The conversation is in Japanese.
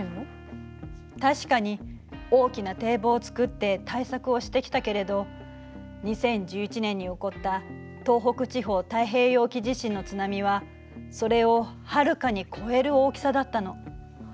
確かに大きな堤防を造って対策をしてきたけれど２０１１年に起こった東北地方太平洋沖地震の津波はそれをはるかに超える大きさだったの。